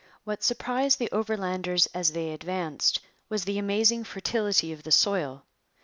What surprised the Overlanders as they advanced was the amazing fertility of the soil.